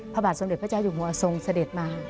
พระบาทสมเด็จพระเจ้าอยู่หัวทรงเสด็จมา